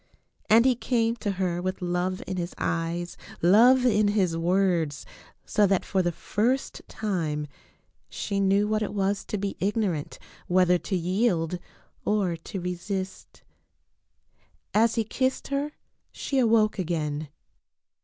And he came to her with love in his eyes, love in his words, so that for the first time she knew what it was to be ignorant whether to yield or to re sist. As he kissed her she awoke again.